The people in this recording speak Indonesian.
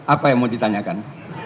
apa yang mau ditanyakan